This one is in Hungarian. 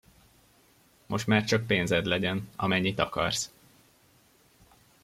Most már csak pénzed legyen, amennyit akarsz.